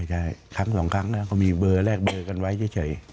ใช่ครั้งสองครั้งนะเขามีเบอร์แลกเบอร์กันไว้เฉย